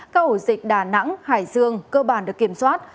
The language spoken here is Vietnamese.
câu hỏi dịch đà nẵng hải dương cơ bản được kiểm soát